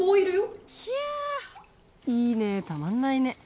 ひゃいいねたまんないね。